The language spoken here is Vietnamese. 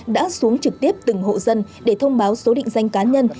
đã xuống trực tiếp từng hộ dân để thông báo số định danh cá nhân